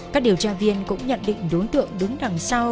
các điều tra viên cũng nhận định đối tượng đứng đằng sau